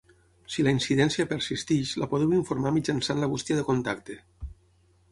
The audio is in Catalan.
Si la incidència persisteix, la podeu informar mitjançant la bústia de contacte.